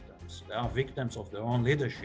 mereka adalah pembunuh dari kepemimpinan mereka sendiri